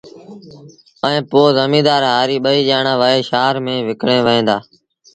ائيٚݩ پو زميݩدآر هآريٚ ٻئيٚ ڄآڻآݩ وهي شآهر ميݩ وڪڻڻ وهيݩ دآ